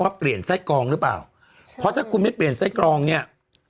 ว่าเปลี่ยนไซ่กรองหรือเปล่า